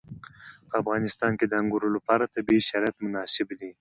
په افغانستان کې د انګور لپاره طبیعي شرایط مناسب دي.